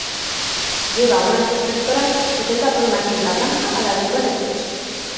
Lleva una cruz pectoral, sujeta por una cinta blanca a la altura del pecho.